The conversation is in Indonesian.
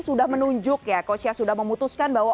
sudah menunjuk ya coachnya sudah memutuskan bahwa